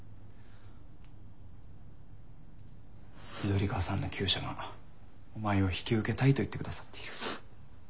緑川さんの厩舎がお前を引き受けたいと言ってくださっている。